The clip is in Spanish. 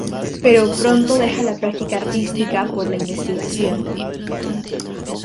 Pero pronto deja la práctica artística por la investigación.